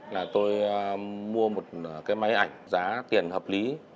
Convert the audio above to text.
là tôi mua một cái máy ảnh giá tiền hợp lý